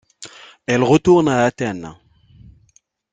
Elle retourne à Athènes.